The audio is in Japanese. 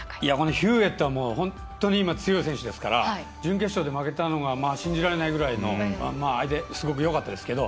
ヒューウェットは本当に今、強い選手ですから準決勝で負けたのが信じられないぐらいの、相手もすごくよかったですけど。